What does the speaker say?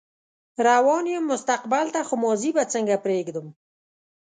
روان يم مستقبل ته خو ماضي به څنګه پرېږدم